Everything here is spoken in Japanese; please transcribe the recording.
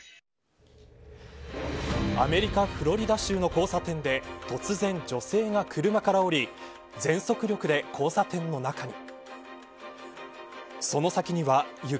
アメリカ、フロリダ州の交差点で突然、女性が車から降り全速力で交差点の中に。